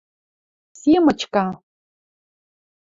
СИМОЧКА